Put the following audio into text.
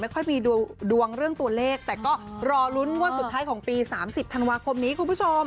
ค่อยมีดวงเรื่องตัวเลขแต่ก็รอลุ้นงวดสุดท้ายของปี๓๐ธันวาคมนี้คุณผู้ชม